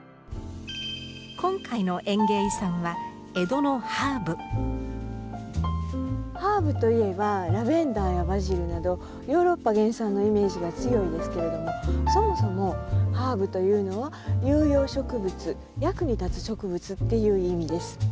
今回の園芸遺産はハーブといえばラベンダーやバジルなどヨーロッパ原産のイメージが強いですけれどもそもそもハーブというのは有用植物役に立つ植物っていう意味です。